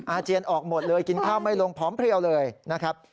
อาเจียนออกหมดเลยกินข้าวไม่ลงผอมเพลียวเลยนะครับ